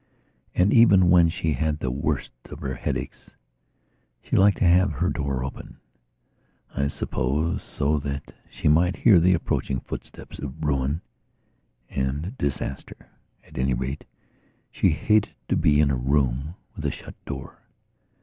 And even when she had the worst of her headaches she liked to have her door openI suppose so that she might hear the approaching footsteps of ruin and disaster. At any rate she hated to be in a room with a shut door.